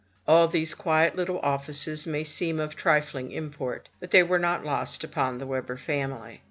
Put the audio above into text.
All these quiet little offices may seem of trifling import; but they were not lost upon the Webber family.